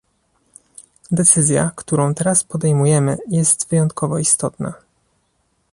Decyzja, którą teraz podejmujemy, jest wyjątkowo istotna